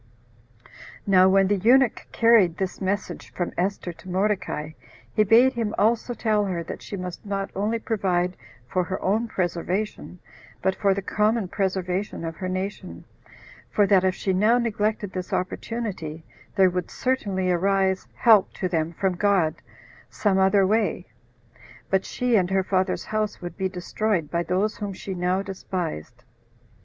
Now when the eunuch carried this message from Esther to Mordecai, he bade him also tell her that she must not only provide for her own preservation, but for the common preservation of her nation, for that if she now neglected this opportunity, there would certainly arise help to them from God some other way, but she and her father's house would be destroyed by those whom she now despised.